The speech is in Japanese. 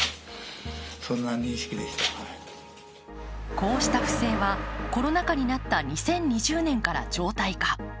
こうした不正は、コロナ禍になった２０２０年から常態化。